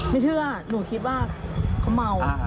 ไม่เชื่อหนูคิดว่าเขาเมา